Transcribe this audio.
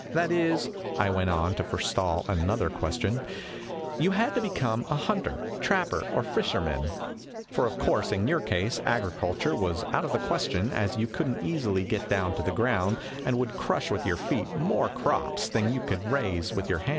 That is," I went on, to forestall another question, " you had to become a hunter, trapper, or fisherman, for of course, in your case, agricul ture was out of the question, as you could n't easily get down to the ground, and would crush with your feet more crops than you could raise with your hands."